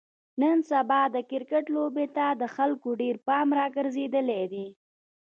نن سبا د کرکټ لوبې ته د خلکو ډېر پام راگرځېدلی دی.